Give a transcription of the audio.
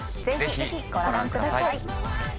ぜひご覧ください。